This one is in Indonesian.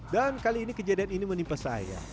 dan kali ini kejadian ini menimpa saya